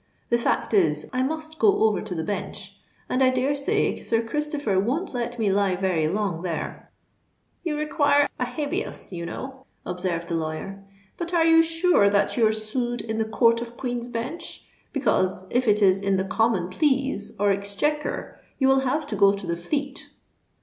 The fact is I must go over to the Bench; and I dare say Sir Christopher won't let me lie very long there." "You require a habeas, you know," observed the lawyer. "But are you sure that you're sued in the Court of Queen's Bench? because, if it is in the Common Pleas or Exchequer, you will have to go to the Fleet."